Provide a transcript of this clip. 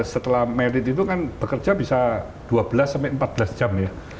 setelah merit itu kan bekerja bisa dua belas sampai empat belas jam ya